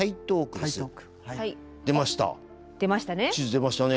出ましたね。